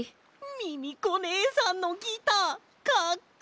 ミミコねえさんのギターかっこいい！